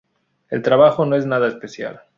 El trabajo no es nada especial.